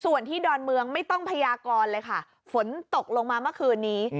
ส่วนที่ดอนเมืองไม่ต้องพยากรเลยค่ะฝนตกลงมาเมื่อคืนนี้